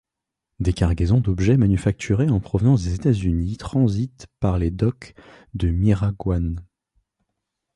Des cargaisons d'objets manufacturés en provenance des États-Unis transitent par les docks de Miragoâne.